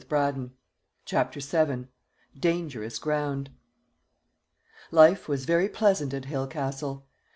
CHAPTER VII. DANGEROUS GROUND. Life was very pleasant at Hale Castle.